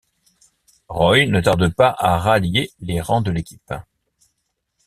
Roy ne tarde pas à rallier les rangs de l'équipe...